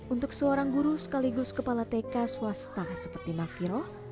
untuk seorang guru sekaligus kepala tk swasta seperti makiro